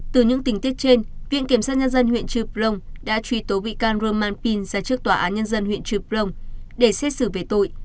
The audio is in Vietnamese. từ những tính tiết trên viện kiểm soát nhân dân huyện trượp lông đã truy tố bị can rơm man pin ra trước tòa án nhân dân huyện trượp lông để xét xử về tội